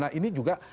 nah ini juga